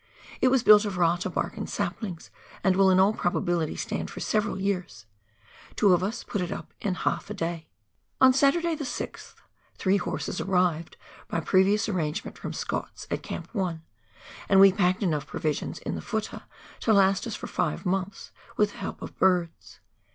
It was built of rata bark and saplings, and will in all probability stand for several years ; two of us put it up in haK a day. On Saturday, the 6th, three horses arrived, by previous arrangement from Scott's, at Camp 1, and wo packed enough provisions in the " futtah " to last us for five months, with the help of birds.